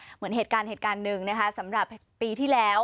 เหมือนเหตุการณ์หนึ่งสำหรับปีที่แล้ว